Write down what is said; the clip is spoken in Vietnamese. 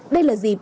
đây là dịp